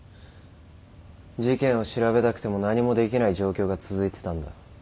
事件を調べたくても何もできない状況が続いてたんだ。